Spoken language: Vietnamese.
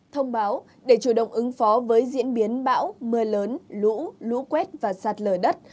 thông báo để chủ động ứng phó với diễn biến bão mưa lớn lũ lũ quét và sạt lở đất